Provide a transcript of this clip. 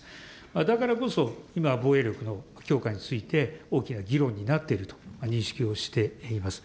だからこそ、今、防衛力の強化について、大きな議論になっていると認識をしております。